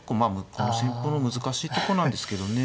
この戦法の難しいとこなんですけどね。